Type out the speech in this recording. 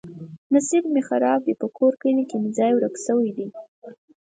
نصیب مې خراب دی. په کور کلي کې مې ځای ورک شوی دی.